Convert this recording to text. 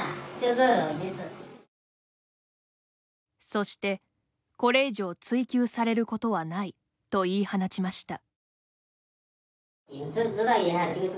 そして「これ以上追及されることはない」と言い放ちました。